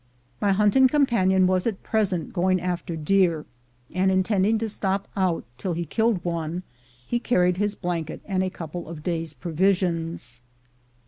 My hunting companion was at present going after deer, and, intending to stop out till he killed one, he carried his blanket and a couple of days' pro visions.